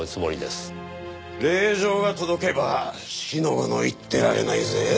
令状が届けば四の五の言ってられないぜ。